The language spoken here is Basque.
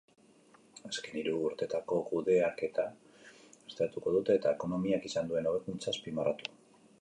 Azken hiru urteetako kudeaketa aztertuko dute eta ekonomiak izan duen hobekuntza azpimarratu.